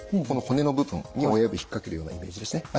この骨の部分に親指を引っ掛けるようなイメージですね。